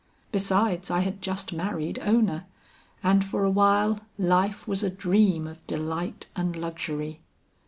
Besides, I had just married Ona, and for awhile life was a dream of delight and luxury.